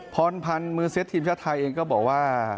พรพันธ์มือเซ็ตทีมชาติไทยเองก็บอกว่า